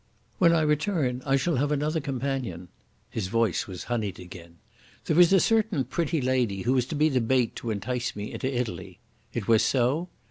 "When I return I shall have another companion." His voice was honeyed again. "There is a certain pretty lady who was to be the bait to entice me into Italy. It was so?